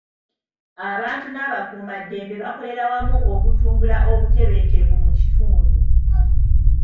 Abantu n'abakuumaddembe bakolera wamu okutumbula obutebenkevu mu kitundu.